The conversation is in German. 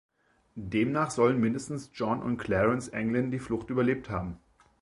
Demnach sollen mindestens John und Clarence Anglin die Flucht überlebt haben.